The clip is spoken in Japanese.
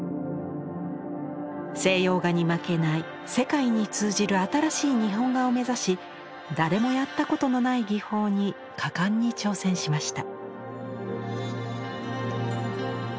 西洋画に負けない世界に通じる新しい日本画を目指し誰もやったことのない技法に果敢に挑戦しました。